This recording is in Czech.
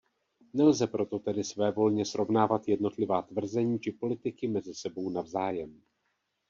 Nelze proto tedy svévolně srovnávat jednotlivá tvrzení či politiky mezi sebou navzájem.